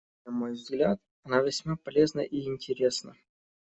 На мой взгляд, она весьма полезна и интересна.